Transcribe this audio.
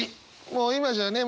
もう今じゃね